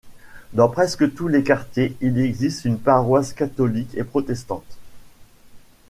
Dans presque tous les quartiers, il existe une paroisse catholique et protestante.